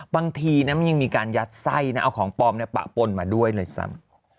บางทีมันยังมีการยัดไส้นะเอาของปลอมปะปนมาด้วยเลยซ้ำ